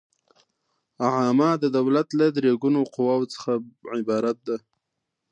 عامه د دولت له درې ګونو قواوو څخه عبارت ده.